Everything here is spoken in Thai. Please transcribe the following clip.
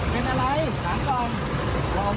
เป็นอะไรครับ